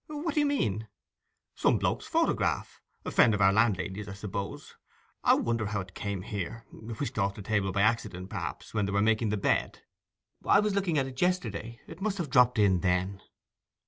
'What do you mean?' 'Some bloke's photograph—a friend of our landlady's, I suppose. I wonder how it came here; whisked off the table by accident perhaps when they were making the bed.' 'I was looking at it yesterday, and it must have dropped in then.